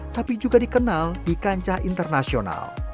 tapi juga dikenal di kancah internasional